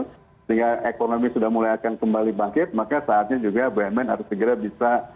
sehingga ekonomi sudah mulai akan kembali bangkit maka saatnya juga bumn harus segera bisa